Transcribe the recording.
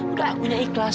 udah akunya ikhlas